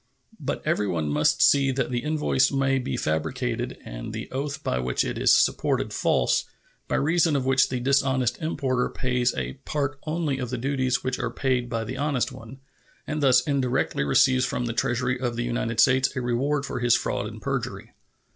But everyone must see that the invoice may be fabricated and the oath by which it is supported false, by reason of which the dishonest importer pays a part only of the duties which are paid by the honest one, and thus indirectly receives from the Treasury of the United States a reward for his fraud and perjury.